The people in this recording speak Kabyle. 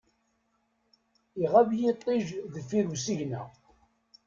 Iɣab yiṭij deffir usigna.